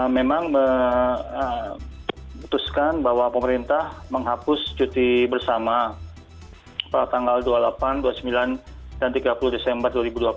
memang memutuskan bahwa pemerintah menghapus cuti bersama tanggal dua puluh delapan dua puluh sembilan dan tiga puluh desember dua ribu dua puluh